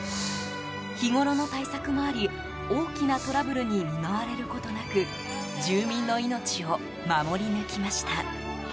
日ごろの対策もあり大きなトラブルに見舞われることなく住民の命を守り抜きました。